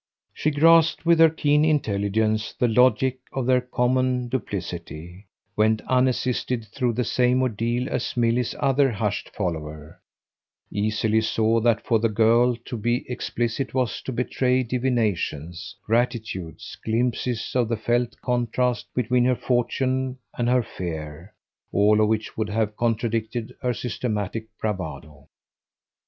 She grasped with her keen intelligence the logic of their common duplicity, went unassisted through the same ordeal as Milly's other hushed follower, easily saw that for the girl to be explicit was to betray divinations, gratitudes, glimpses of the felt contrast between her fortune and her fear all of which would have contradicted her systematic bravado.